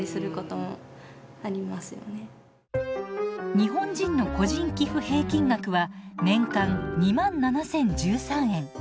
日本人の個人寄付平均額は年間２７，０１３円。